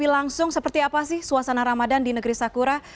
langsung seperti apa sih suasana ramadan di negeri sakura